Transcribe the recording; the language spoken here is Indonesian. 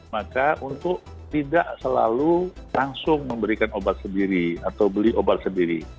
maka untuk tidak selalu langsung memberikan obat sendiri atau beli obat sendiri